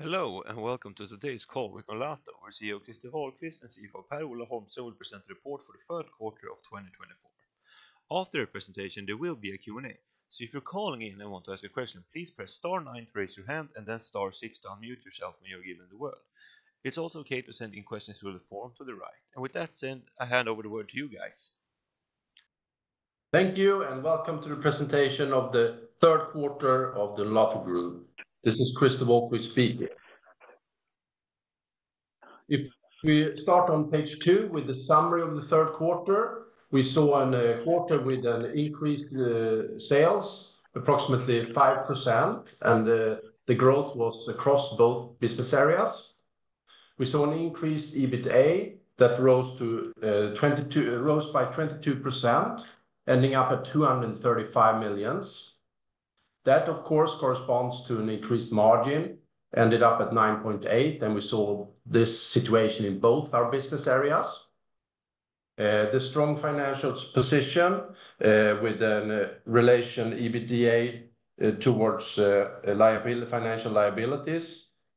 Hello, and welcome to today's call with Nolato. Our CEO, Christer Wahlquist, and CFO, Per-Ola Holmström, will present the report for the third quarter of twenty twenty-four. After the presentation, there will be a Q&A. So if you're calling in and want to ask a question, please press star nine to raise your hand, and then star six to unmute yourself when you're given the word. It's also okay to send in questions through the form to the right. And with that said, I hand over the word to you guys. Thank you, and welcome to the presentation of the third quarter of the Nolato Group. This is Christer Wahlquist speaking. If we start on page two with the summary of the third quarter, we saw a quarter with increased sales approximately 5%, and the growth was across both business areas. We saw an increased EBITDA that rose by 22%, ending up at 235 million. That, of course, corresponds to an increased margin, ended up at 9.8%, and we saw this situation in both our business areas. The strong financial position with net debt to EBITDA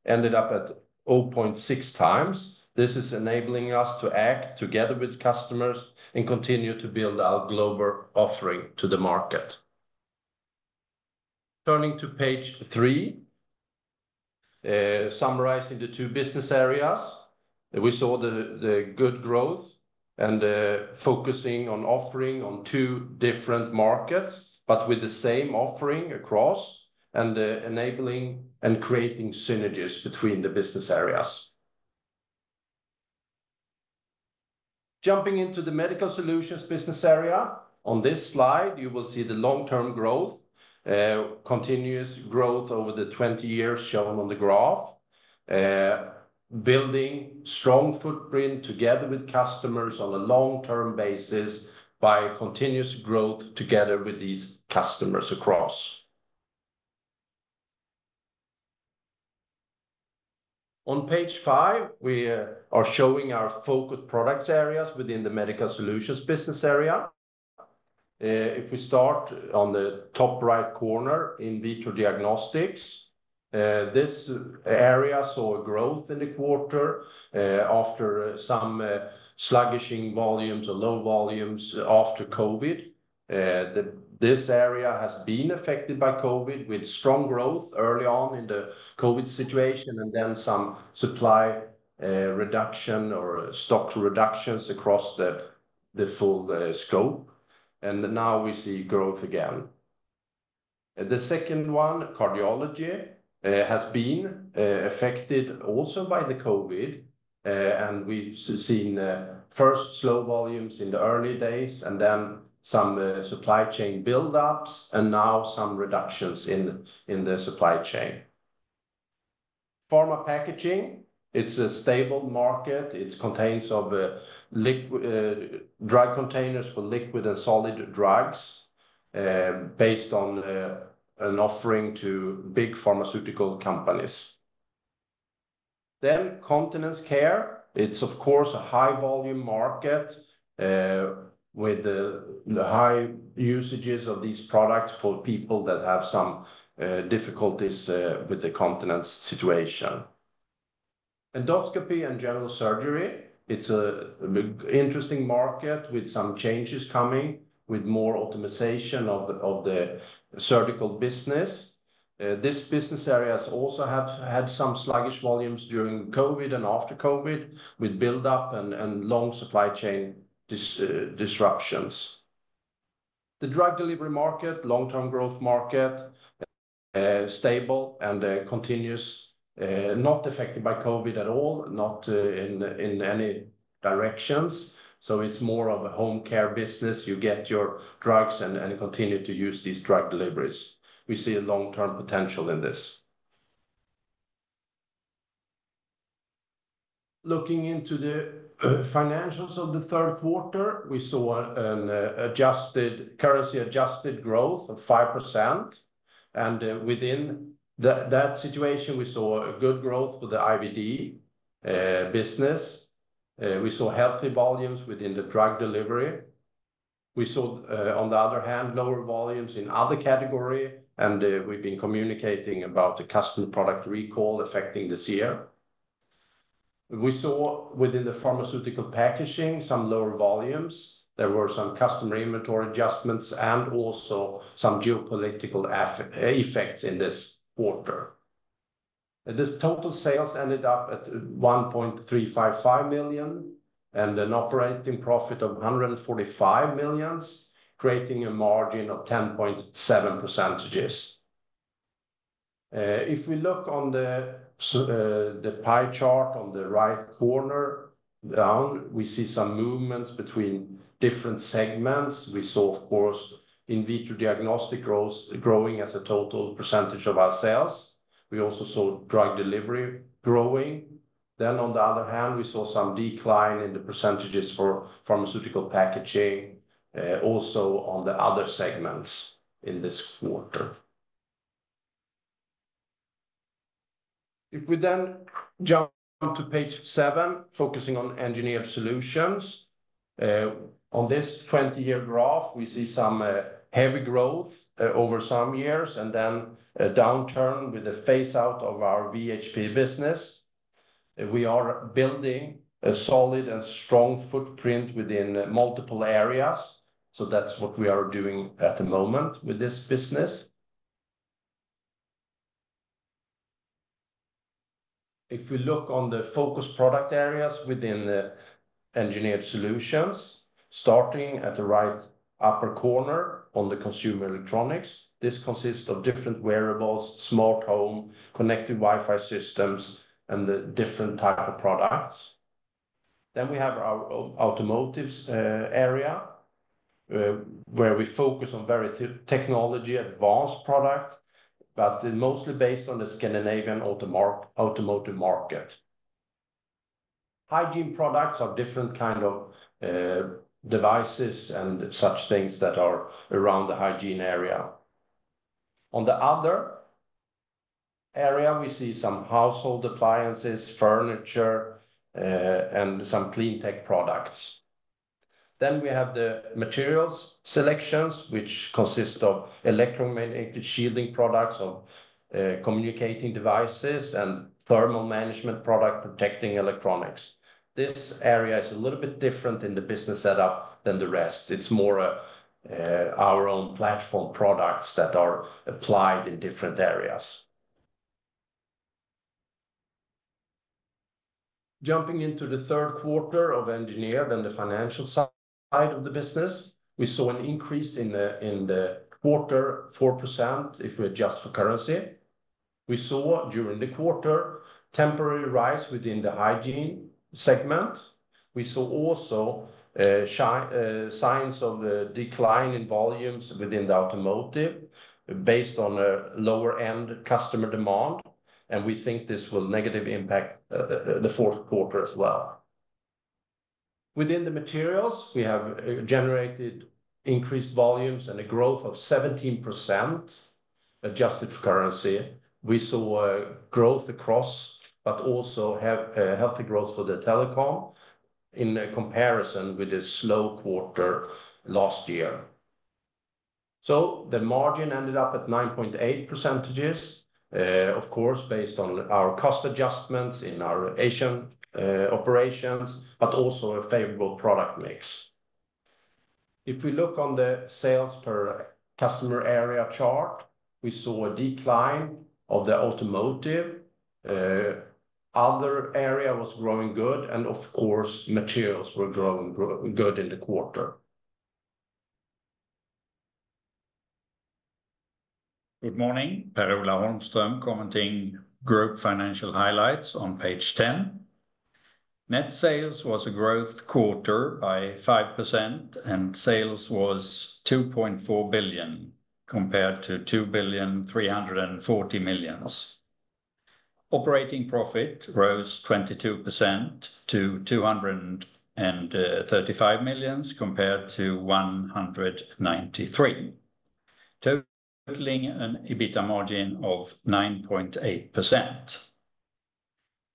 ended up at 0.6 times. This is enabling us to act together with customers and continue to build our global offering to the market. Turning to page three, summarizing the two business areas, we saw the good growth and, focusing on offering on two different markets, but with the same offering across and, enabling and creating synergies between the business areas. Jumping into the Medical Solutions business area, on this slide, you will see the long-term growth, continuous growth over the twenty years shown on the graph. Building strong footprint together with customers on a long-term basis by continuous growth together with these customers across. On page five, we are showing our focused products areas within the Medical Solutions business area. If we start on the top right corner, in vitro diagnostics, this area saw a growth in the quarter, after some sluggish in volumes or low volumes after COVID. This area has been affected by COVID, with strong growth early on in the COVID situation, and then some supply reduction or stock reductions across the full scope. And now we see growth again. The second one, cardiology, has been affected also by the COVID, and we've seen first slow volumes in the early days, and then some supply chain buildups, and now some reductions in the supply chain. Pharma packaging, it's a stable market. It contains of liquid drug containers for liquid and solid drugs, based on an offering to big pharmaceutical companies. Then continence care, it's of course a high-volume market, with the high usages of these products for people that have some difficulties with the continence situation. Endoscopy and general surgery, it's an interesting market with some changes coming, with more optimization of the surgical business. This business areas also have had some sluggish volumes during COVID and after COVID, with buildup and long supply chain disruptions. The drug delivery market, long-term growth market, stable and continuous, not affected by COVID at all, not in any directions. So it's more of a home care business. You get your drugs and continue to use these drug deliveries. We see a long-term potential in this. Looking into the financials of the third quarter, we saw an adjusted, currency-adjusted growth of 5%, and within that situation, we saw a good growth for the IVD business. We saw healthy volumes within the drug delivery. We saw, on the other hand, lower volumes in other category, and, we've been communicating about the customer product recall affecting this year. We saw within the pharmaceutical packaging, some lower volumes. There were some customer inventory adjustments and also some geopolitical effects in this quarter. This total sales ended up at 1.355 million and an operating profit of 145 million, creating a margin of 10.7%. If we look on the the pie chart on the right corner down, we see some movements between different segments. We saw, of course, in vitro diagnostic growth, growing as a total percentage of our sales. We also saw drug delivery growing. Then on the other hand, we saw some decline in the percentages for pharmaceutical packaging, also on the other segments in this quarter. If we then jump to page seven, focusing on Engineered Solutions. On this twenty-year graph, we see some heavy growth over some years, and then a downturn with the phase out of our VHP business. We are building a solid and strong footprint within multiple areas, so that's what we are doing at the moment with this business. If we look on the focused product areas within the Engineered Solutions, starting at the right upper corner on the consumer electronics, this consists of different wearables, smart home, connected Wi-Fi systems, and the different type of products. Then we have our automotives area, where we focus on very technology advanced product, but mostly based on the Scandinavian automotive market. Hygiene products are different kind of devices and such things that are around the hygiene area. On the other area, we see some household appliances, furniture, and some clean tech products. Then we have the materials selections, which consist of electromagnetic shielding products of communicating devices and thermal management product protecting electronics. This area is a little bit different in the business setup than the rest. It's more our own platform products that are applied in different areas. Jumping into the third quarter of engineered and the financial side of the business, we saw an increase in the quarter, 4%, if we adjust for currency. We saw, during the quarter, temporary rise within the hygiene segment. We saw also signs of a decline in volumes within the automotive, based on a lower-end customer demand, and we think this will negatively impact the fourth quarter as well. Within the materials, we have generated increased volumes and a growth of 17%, adjusted for currency. We saw a growth across, but also have healthy growth for the telecom in comparison with the slow quarter last year. So the margin ended up at 9.8%, of course, based on our cost adjustments in our Asian operations, but also a favorable product mix. If we look on the sales per customer area chart, we saw a decline of the automotive. Other area was growing good, and of course, materials were growing good in the quarter. Good morning, Per-Ola Holmström, commenting group financial highlights on page ten. Net sales was a growth quarter by 5%, and sales was 2.4 billion, compared to 2.34 billion. Operating profit rose 22% to 235 million, compared to 193 million, totaling an EBITDA margin of 9.8%.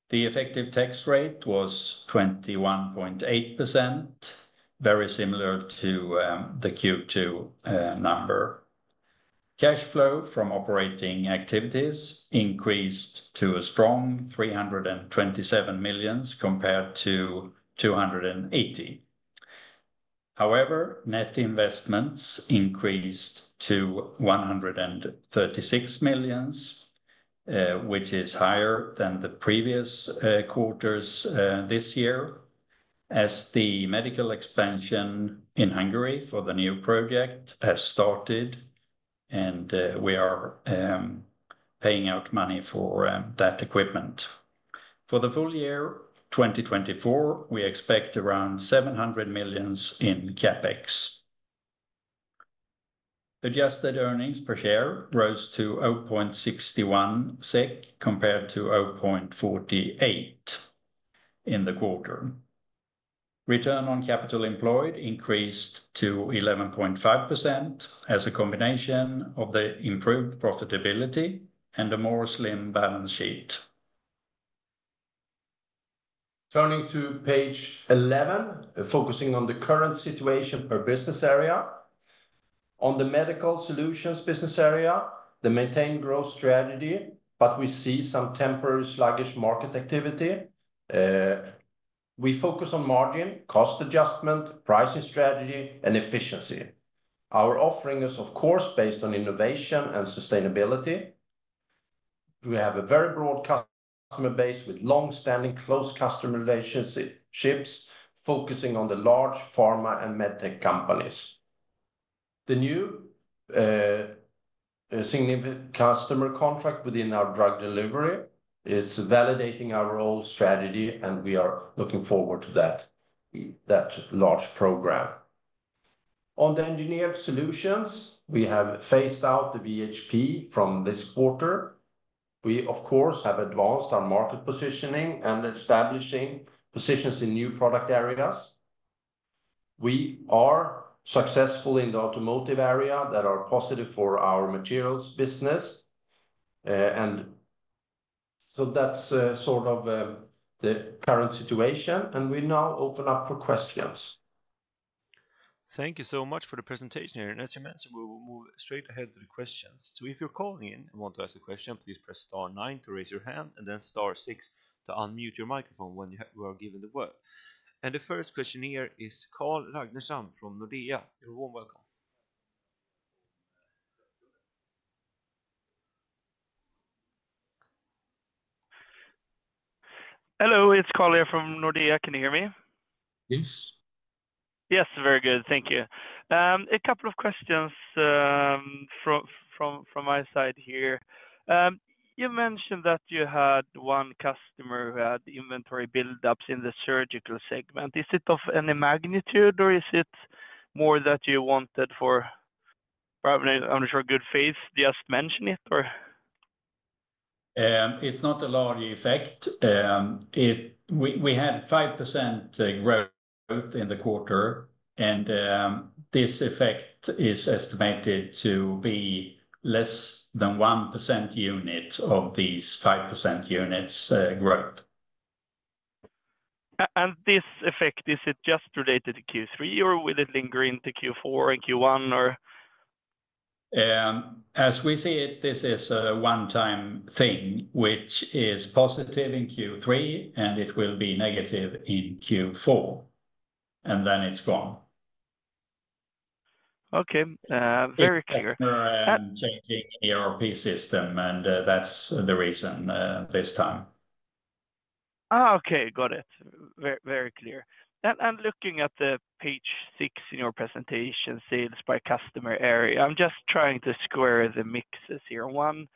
The effective tax rate was 21.8%, very similar to the Q2 number. Cash flow from operating activities increased to a strong 327 million compared to 280 million. However, net investments increased to 136 million, which is higher than the previous quarters this year, as the medical expansion in Hungary for the new project has started, and we are paying out money for that equipment. For the full year 2024, we expect around 700 million in CapEx. Adjusted earnings per share rose to 0.61 SEK, compared to 0.48 in the quarter. Return on capital employed increased to 11.5% as a combination of the improved profitability and a more slim balance sheet. Turning to page eleven, focusing on the current situation per business area. On the medical solutions business area, the maintain growth strategy, but we see some temporary sluggish market activity. We focus on margin, cost adjustment, pricing strategy, and efficiency. Our offering is, of course, based on innovation and sustainability. We have a very broad customer base with long-standing close customer relationship, focusing on the large Pharma and Medtech companies. The new significant customer contract within our drug delivery is validating our role, strategy, and we are looking forward to that large program. On the engineered solutions, we have phased out the VHP from this quarter. We, of course, have advanced our market positioning and establishing positions in new product areas. We are successful in the automotive area that are positive for our materials business. So that's sort of the current situation, and we now open up for questions. Thank you so much for the presentation here. And as you mentioned, we will move straight ahead to the questions. So if you're calling in and want to ask a question, please press star nine to raise your hand and then star six to unmute your microphone when you are given the word. And the first question here is Carl Ragnerstam from Nordea. You're warmly welcome. Hello, it's Carl here from Nordea. Can you hear me? Yes. Yes, very good. Thank you. A couple of questions from my side here. You mentioned that you had one customer who had inventory buildups in the surgical segment. Is it of any magnitude, or is it more that you wanted for, probably, I'm sure, good faith, just mention it, or? It's not a large effect. We had 5% growth in the quarter, and this effect is estimated to be less than 1% unit of these 5% units growth. And this effect, is it just related to Q3, or will it linger into Q4 and Q1, or? As we see it, this is a one-time thing, which is positive in Q3, and it will be negative in Q4, and then it's gone. Okay, very clear. Changing the ERP system, and that's the reason this time. Oh, okay, got it. Very clear. And looking at page six in your presentation, sales by customer area, I'm just trying to square the mixes here. You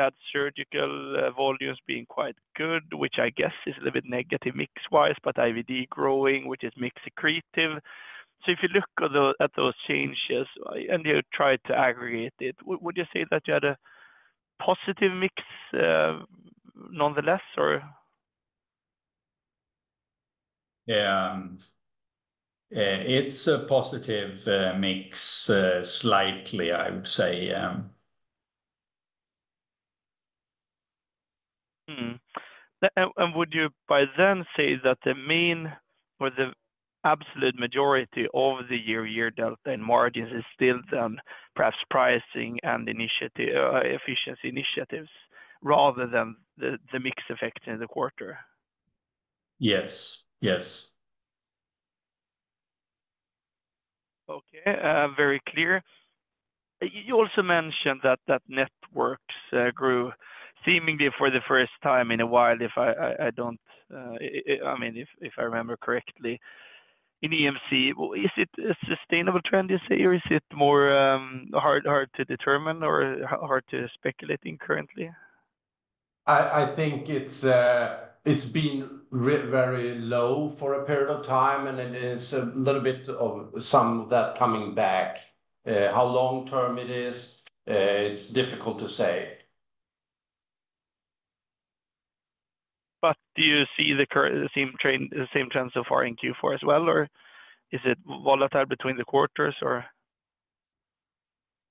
had surgical volumes being quite good, which I guess is a little bit negative mix-wise, but IVD growing, which is mix accretive. So if you look at those changes and you try to aggregate it, would you say that you had a positive mix nonetheless, or? It's a positive mix, slightly, I would say. And would you by then say that the main or the absolute majority over the year, year delta in margins is still down, perhaps pricing and initiative, efficiency initiatives, rather than the mix effect in the quarter? Yes. Yes. Okay, very clear. You also mentioned that networks grew seemingly for the first time in a while, I mean, if I remember correctly, in EMC. Is it a sustainable trend, you say, or is it more hard to determine or hard to speculate in currently? I think it's been really very low for a period of time, and it is a little bit of some of that coming back. How long term it is, it's difficult to say. But do you see the same trend so far in Q4 as well, or is it volatile between the quarters, or?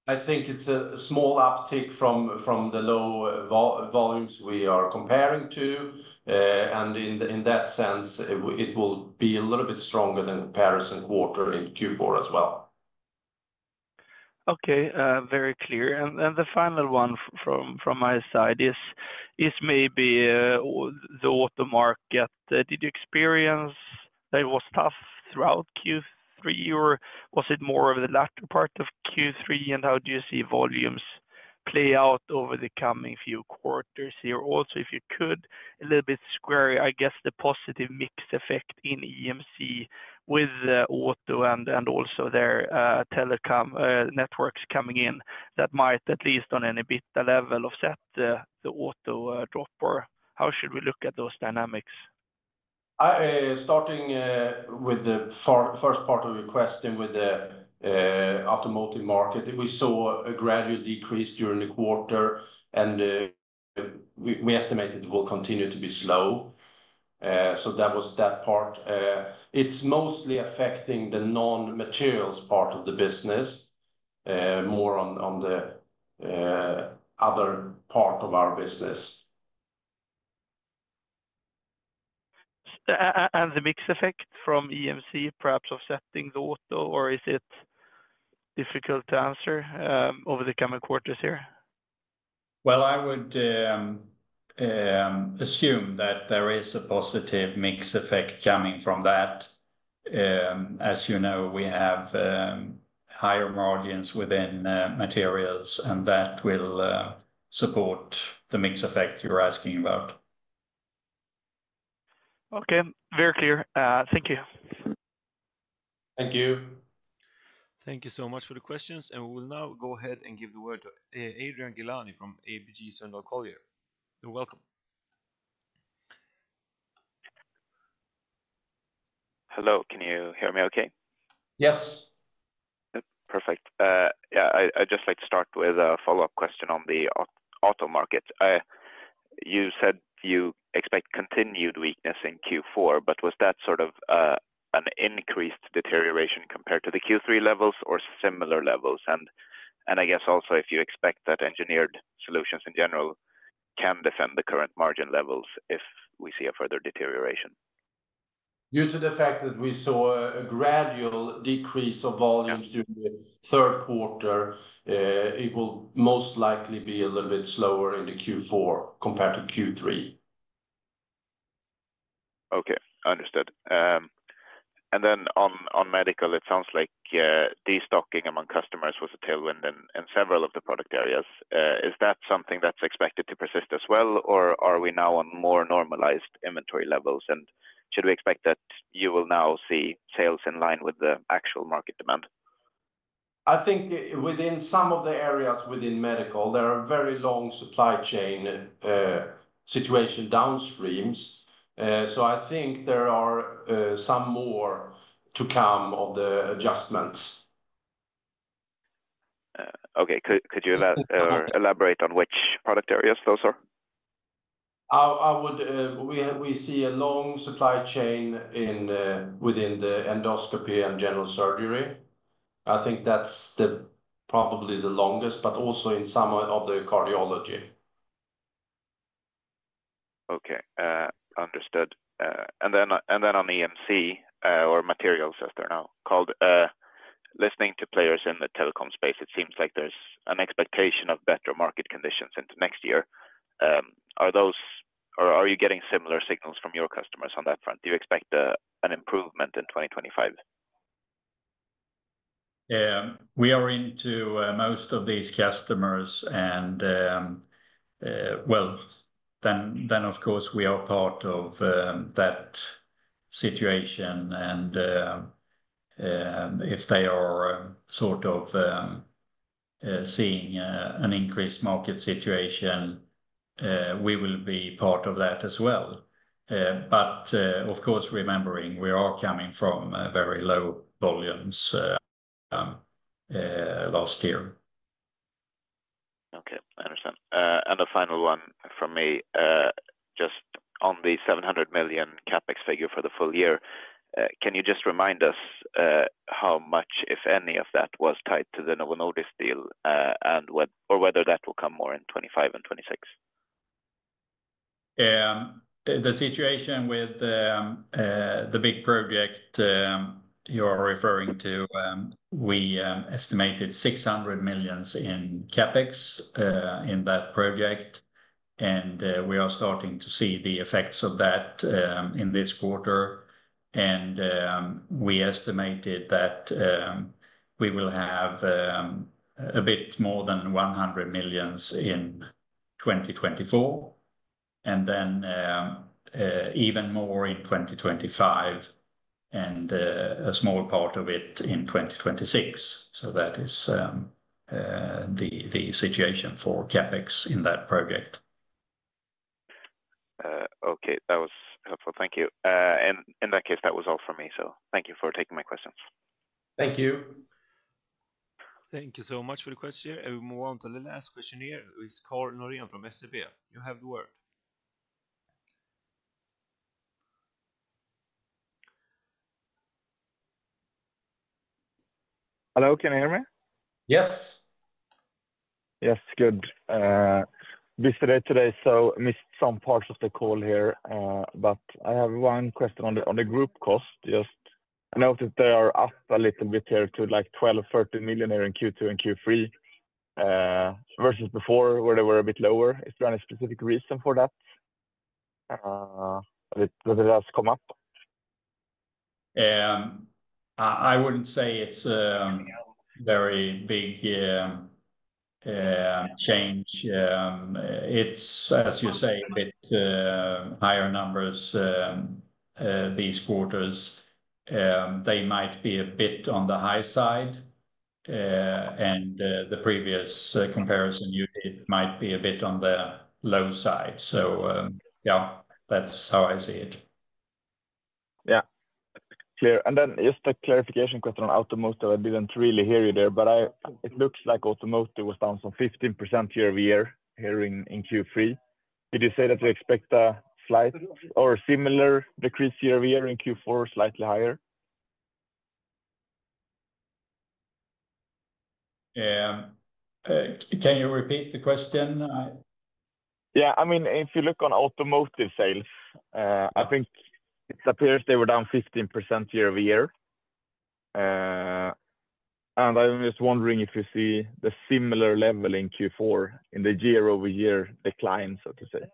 I think it's a small uptick from the low volumes we are comparing to. In that sense, it will be a little bit stronger than the previous quarter in Q4 as well. Okay, very clear. And the final one from my side is maybe the auto market. Did you experience that it was tough throughout Q3, or was it more of the latter part of Q3? And how do you see volumes play out over the coming few quarters here? Also, if you could, a little bit square, I guess, the positive mix effect in EMC with auto and also their telecom networks coming in that might, at least on an EBITDA level, offset the auto drop, or how should we look at those dynamics? Starting with the first part of your question, with the automotive market, we saw a gradual decrease during the quarter, and we estimate it will continue to be slow. So that was that part. It's mostly affecting the non-materials part of the business, more on the other part of our business. And the mix effect from EMC, perhaps offsetting the auto, or is it difficult to answer over the coming quarters here? I would assume that there is a positive mix effect coming from that. As you know, we have higher margins within materials, and that will support the mix effect you're asking about. Okay, very clear. Thank you. Thank you. Thank you so much for the questions, and we will now go ahead and give the word to, Adrian Gilani from ABG Sundal Collier. You're welcome. Hello. Can you hear me okay? Yes. Yep, perfect. Yeah, I'd just like to start with a follow-up question on the auto market. You said you expect continued weakness in Q4, but was that sort of an increased deterioration compared to the Q3 levels or similar levels? And I guess also, if you expect that Engineered Solutions in general can defend the current margin levels if we see a further deterioration? Due to the fact that we saw a gradual decrease of volumes- Yeah... during the third quarter, it will most likely be a little bit slower in the Q4 compared to Q3. Okay, understood. And then on medical, it sounds like destocking among customers was a tailwind in several of the product areas. Is that something that's expected to persist as well, or are we now on more normalized inventory levels, and should we expect that you will now see sales in line with the actual market demand? I think, within some of the areas within medical, there are very long supply chain situation downstreams. So I think there are some more to come of the adjustments. Okay. Could you elaborate on which product areas those are? I would, we see a long supply chain in within the endoscopy and general surgery. I think that's probably the longest, but also in some of the cardiology. Okay, understood. And then on the EMC, or materials, as they're now called, listening to players in the telecom space, it seems like there's an expectation of better market conditions into next year. Are those... Or are you getting similar signals from your customers on that front? Do you expect an improvement in 2025? We are into most of these customers, and, well, then of course, we are part of that situation, and, if they are sort of seeing an increased market situation, we will be part of that as well. But, of course, remembering we are coming from very low volumes last year. Okay, I understand. And the final one from me, just on the 700 million CapEx figure for the full year, can you just remind us, how much, if any, of that was tied to the Novo Nordisk deal, and whether that will come more in 2025 and 2026? The situation with the big project you're referring to, we estimated 600 million in CapEx in that project, and we are starting to see the effects of that in this quarter, and we estimated that we will have a bit more than 100 million in 2024, and then even more in 2025, and a smaller part of it in 2026, so that is the situation for CapEx in that project. Okay. That was helpful. Thank you, and in that case, that was all for me, so thank you for taking my questions. Thank you. Thank you so much for the question, and we move on to the last question here, who is Carl Norén from SEB. You have the word. Hello, can you hear me? Yes. Yes, good. Busy day today, so missed some parts of the call here, but I have one question on the, on the group cost. Just I noticed they are up a little bit here to, like, 12-13 million here in Q2 and Q3, versus before, where they were a bit lower. Is there any specific reason for that, that it has come up? I wouldn't say it's very big change. It's as you say a bit higher numbers these quarters. They might be a bit on the high side, and the previous comparison you did might be a bit on the low side. Yeah, that's how I see it. Yeah, clear. And then just a clarification question on automotive. I didn't really hear you there, but I- it looks like automotive was down some 15% year over year here in Q3. Did you say that you expect a slight or similar decrease year over year in Q4, slightly higher? Can you repeat the question? Yeah. I mean, if you look on automotive sales, I think it appears they were down 15% year over year. And I'm just wondering if you see the similar level in Q4 in the year over year decline, so to say.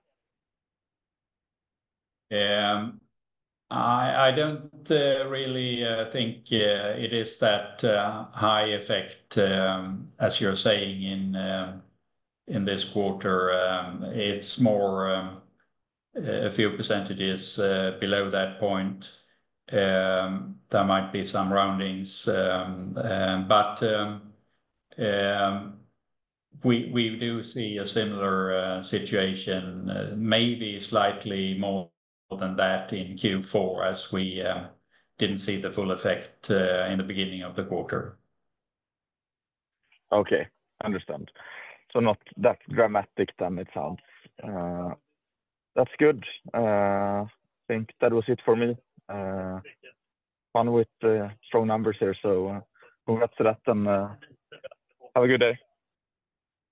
I don't really think it is that high effect as you're saying in this quarter. It's more a few percentages below that point. There might be some roundings, but we do see a similar situation, maybe slightly more than that in Q4, as we didn't see the full effect in the beginning of the quarter. Okay, understand. So not that dramatic then, it sounds. That's good. I think that was it for me. Q1 with the strong numbers here, so, congrats to that, and, have a good day.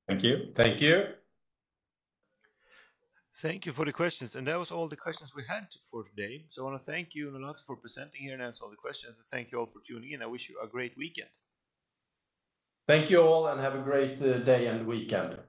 Thank you. Thank you. Thank you for the questions, and that was all the questions we had for today, so I want to thank you a lot for presenting here and answer all the questions. Thank you all for tuning in. I wish you a great weekend. Thank you all, and have a great day and weekend.